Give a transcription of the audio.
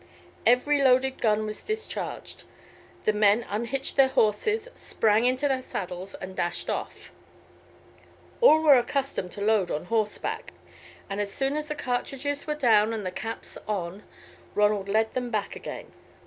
Every loaded gun was discharged; the men unhitched their horses, sprang into their saddles, and dashed off. All were accustomed to load on horseback, and as soon as the cartridges were down and the caps on, Ronald led them back again.